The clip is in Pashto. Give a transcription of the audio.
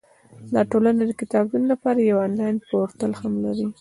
دا ټولنه د کتابتون لپاره یو انلاین پورتل هم لري.